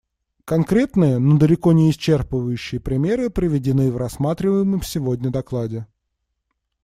Конкретные, но далеко не исчерпывающие примеры приведены в рассматриваемом сегодня докладе.